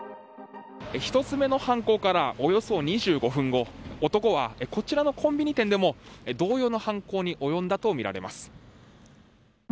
１つ目の犯行からおよそ２５分後男はこちらのコンビニ店でも同様の犯行に及んだとみられます。